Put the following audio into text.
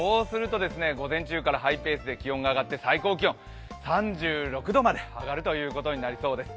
午前中からハイペースで気温が上がって、最高気温３６度まで上がるということになりそうです。